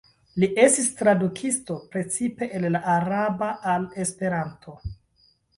Li estis tradukisto precipe el la araba al esperanto.